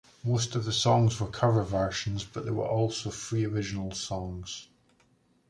Most of the songs were cover versions but there were also three original songs.